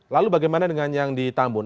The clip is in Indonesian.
lalu bagaimana dengan yang ditambun